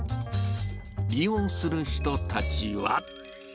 利用する人たちは。